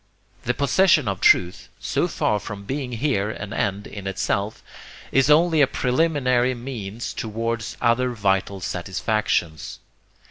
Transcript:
The possession of truth, so far from being here an end in itself, is only a preliminary means towards other vital satisfactions.